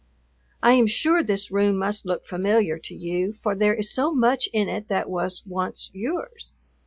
I am sure this room must look familiar to you, for there is so much in it that was once yours.